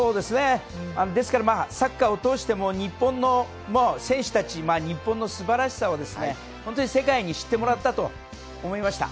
ですからサッカーを通して日本の選手たち、日本のすばらしさを本当に世界に知ってもらったと思いました。